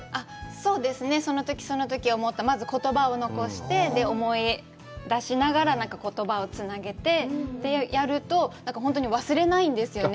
そうですね、そのときそのとき思ったまず言葉を残して、思い出しながら、言葉をつなげてってやると本当に忘れないんですよね。